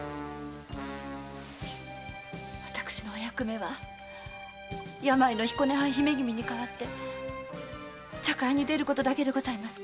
私のお役目は病の彦根藩姫君に代わって茶会に出ることだけでございますか？